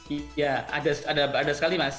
iya ada sekali mas